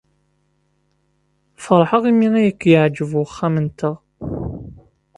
Feṛḥeɣ imi ay k-yeɛjeb uxxam-nteɣ.